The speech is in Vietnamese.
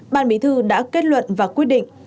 ban bí thư đã kết luận và quyết định